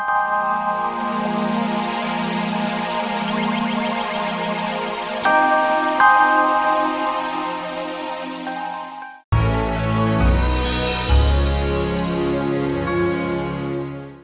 sampai jumpa di video selanjutnya